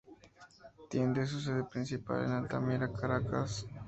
Tiene su sede principal en Altamira, Caracas.